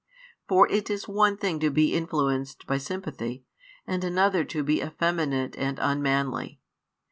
For it is one thing to be influenced by sympathy, and another to be effeminate and unmanly.